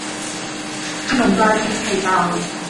ขนมปลากิมไข่เต่า